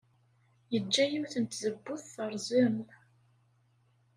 Yeǧǧa yiwet n tzewwut terẓem.